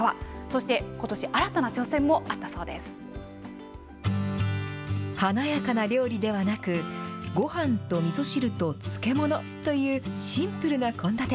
そして、ことし、新たな挑華やかな料理ではなく、ごはんとみそ汁と漬物というシンプルな献立。